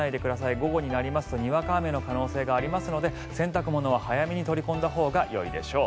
午後になるとにわか雨の可能性がありますので洗濯物は早めに取り込んだほうがいいでしょう。